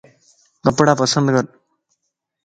ڪپڙا پسند ڪر